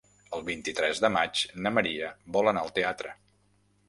El vint-i-tres de maig na Maria vol anar al teatre.